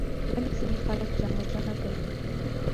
ولې ځینې خلک ځان وژنه کوي؟